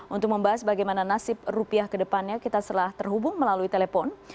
untuk membahas bagaimana nasib rupiah ke depannya kita telah terhubung melalui telepon